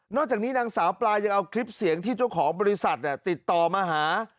จากนี้นางสาวปลายังเอาคลิปเสียงที่เจ้าของบริษัทติดต่อมาหา